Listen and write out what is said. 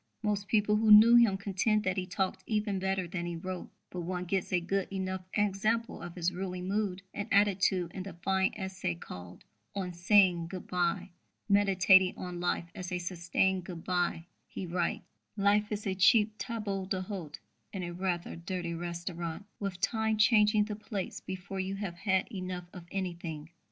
Most people who knew him contend that he talked even better than he wrote; but one gets a good enough example of his ruling mood and attitude in the fine essay called On Saying Good bye. Meditating on life as "a sustained good bye," he writes: Life is a cheap table d'hôte in a rather dirty restaurant, with Time changing the plates before you have had enough of anything.